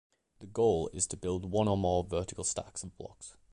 The goal is to build one or more vertical stacks of blocks.